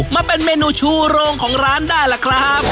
มาเป็นเมนูชูโรงของร้านได้ล่ะครับ